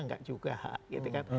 nggak juga hak